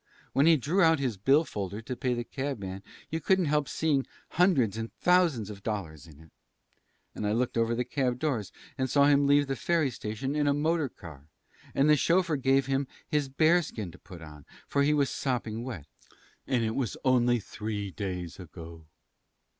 When he drew out his bill folder to pay the cab man you couldn't help seeing hundreds and thousands of dollars in it. And I looked over the cab doors and saw him leave the ferry station in a motor car; and the chauffeur gave him his bearskin to put on, for he was sopping wet. And it was only three days ago."